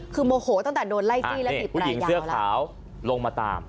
คือโมโหตั้งแต่โดนไล่สี่แล้วถีบแปลงยาวแล้วอ่ะเนี่ยผู้หญิงเสื้อขาวลงมาตาม